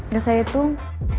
udah saya hitung